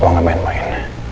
wah gak main main